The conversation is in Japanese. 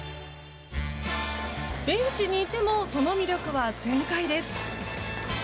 ベンチにいてもその魅力は全開です。